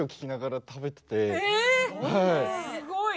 すごいね。